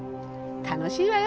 楽しいわよ